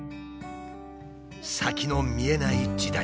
先の見えない時代。